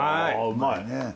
うまいね。